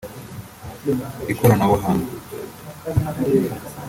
Ikoranabuhanga